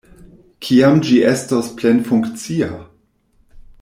Kiam ĝi estos plenfunkcia?